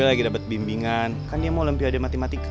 si boya lagi dapet bimbingan kan dia mau lempih adik matematika